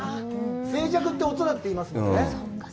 静寂って音だって言いますもんね。